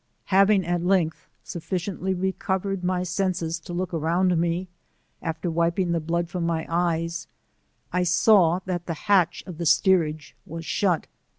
Having at length sulSciently recovered my senses to look around me, ait»ir wiping the blood from my D 30 eye»^, I saw that the hatch of the steerage was shut.